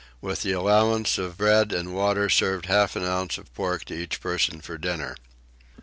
With the allowance of bread and water served half an ounce of pork to each person for dinner.